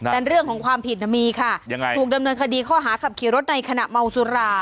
แต่เรื่องของความผิดมีค่ะยังไงถูกดำเนินคดีข้อหาขับขี่รถในขณะเมาสุรา